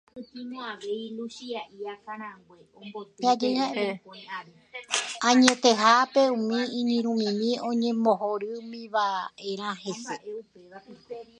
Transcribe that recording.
Añetehápe umi iñirũmimi oñembohorýmivaʼerã hese.